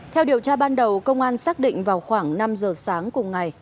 theo điều tra ban đầu công an xác định vào khoảng năm giờ sáng cùng ngày